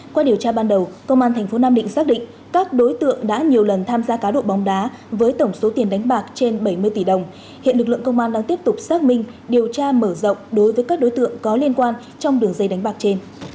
qua điều tra ban đầu công an tp nam định xác định các đối tượng đã nhiều lần tham gia cá độ bóng đá với tổng số tiền đánh bạc trên bảy mươi tỷ đồng hiện lực lượng công an đang tiếp tục xác minh điều tra mở rộng đối với các đối tượng có liên quan trong đường dây đánh bạc trên